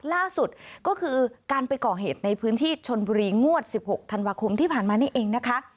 ล่าสุดก็คือการไปก่อเหตุในพื้นที่ชนบุรีงวด๑๖ธันวาคมที่ผ่านมานี่เองนะคะ